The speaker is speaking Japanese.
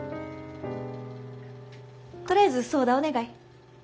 とりあえずソーダお願い。